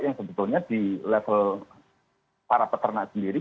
yang sebetulnya di level para peternak sendiri